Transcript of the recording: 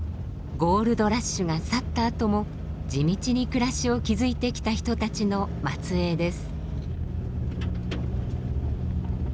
ゴールドラッシュが去ったあとも地道に暮らしを築いてきた人たちの末裔です。